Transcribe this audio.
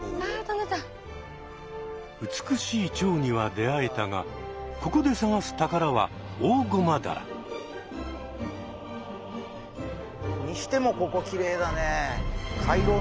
美しいチョウには出会えたがここで探す宝はオオゴマダラ。にしてもここきれいだね。